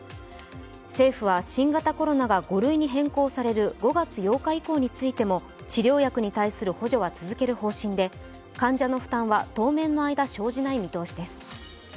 政府は新型コロナが５類に変更される５月８日以降についても治療薬に対する補助は続ける方針で患者の負担は当面の間生じない見通しです。